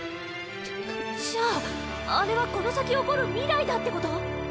じゃじゃああれはこの先起こる未来だってこと？